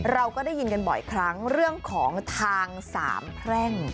เราก็ได้ยินกันบ่อยครั้งเรื่องของทางสามแพร่ง